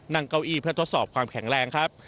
นั่งเก้าอี้เพื่อทดสอบความแข็งแรงครับ